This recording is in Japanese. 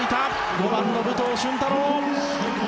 ５番の武藤俊太朗。